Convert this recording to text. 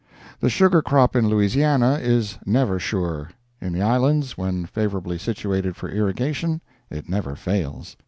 The sugar crop in Louisiana is never sure—in the Islands, when favorably situated for irrigation, it never fails.